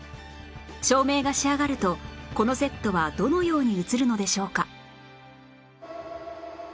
照明が仕上がるとこのセットはどのように映るのでしょうか？